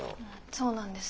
そうなんです。